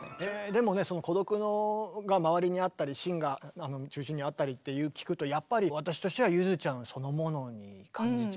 でもねその孤独が周りにあったり芯が中心にあったりって聞くとやっぱり私としてはゆづちゃんそのものに感じちゃう。